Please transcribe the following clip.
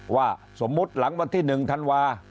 ว่าสมมุติหลังวันที่๑ธันวา